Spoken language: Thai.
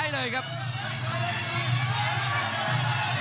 คมทุกลูกจริงครับโอ้โห